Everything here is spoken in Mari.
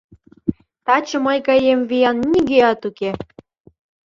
— Таче мый гаем виян нигӧат уке!